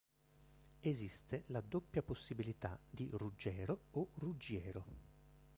Esiste la doppia possibilità di "Ruggero" o "Ruggiero".